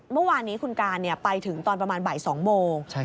เมื่อวานนี้คุณการไปถึงตอนประมาณบ่าย๒โมง